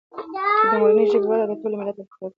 د مورنۍ ژبې وده د ټول ملت د پرمختګ لامل دی.